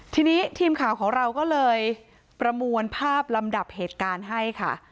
ทีนี้ทีมข่าวของเราก็เลยประมวลภาพลำดับเหตุการณ์ให้ค่ะ